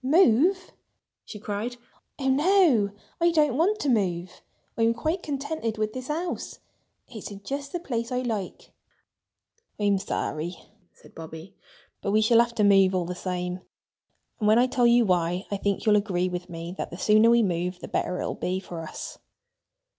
"Move!" she cried. "Oh, no! I don't want to move. I'm quite contented with this house. It's in just the place I like." "I'm sorry," said Bobby. "But we shall have to move all the same. And when I tell you why, I think you'll agree with me that the sooner we move the better it will be for us."